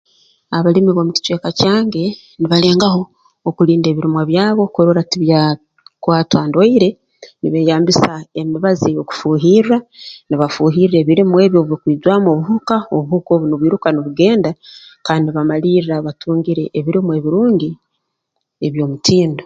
Abalimi b'omu kicweka kyange nibalengaho okulinda ebirimwa byabo kurora tibya kwatwa ndwaire nibeeyambisa emibazi ey'okufuuhirra nibafuuhirra ebirimwa ebyo obubikwijwamu obuhuka obuhuka obu nubwiruka nubugenda kandi nibamalirra batungire ebirimwa ebirungi eby'omutindo